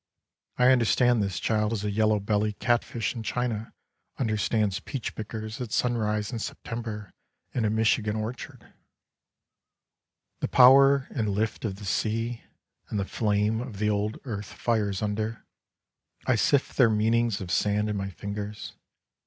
I understand this child as a yellow belly catfish in China understands peach pickers at sunrise in September in a Michigan orchard. Slabs of the Sunburnt TV est JT, " The power and lift of the sea and the flame of the old earth fires under, I sift their meanings of sand in my fingers.